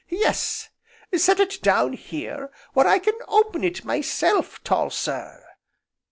Yes, set it down here where I can open it myself, tall sir.